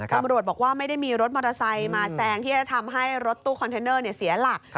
ตำรวจบอกว่าไม่ได้มีรถมอเตอร์ไซค์มาแซงที่จะทำให้รถตู้คอนเทนเนอร์เสียหลัก